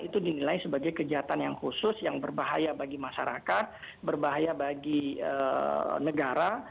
itu dinilai sebagai kejahatan yang khusus yang berbahaya bagi masyarakat berbahaya bagi negara